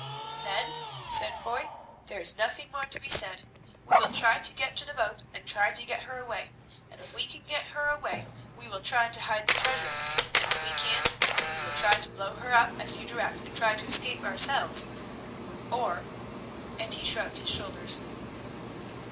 "Then," said Foy, "there is nothing more to be said. We will try to get to the boat and try to get her away; and if we can get her away we will try to hide the treasure, and if we can't we will try to blow her up as you direct and try to escape ourselves. Or—" and he shrugged his shoulders.